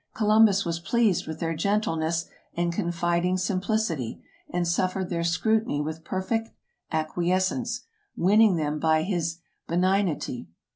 Columbus was pleased with their gentle ness and confiding simplicity, and suffered their scrutiny with 22 TRAVELERS AND EXPLORERS perfect acquiescence, winning them by his benignity.